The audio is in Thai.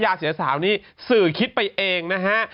ยาเสียสานี่สื่อคิดไปเอง